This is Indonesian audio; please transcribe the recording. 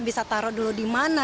bisa taruh dulu di mana